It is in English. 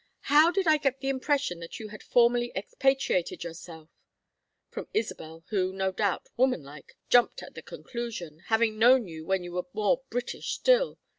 How did I get the impression that you had formally expatriated yourself? From Isabel, who, no doubt, woman like, jumped at the conclusion having known you when you were more British still.